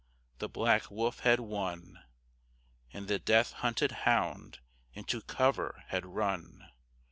The black wolf had won, And the death hunted hound into cover had run.